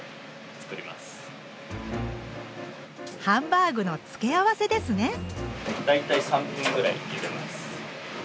ハンバーグの付け合わせですね！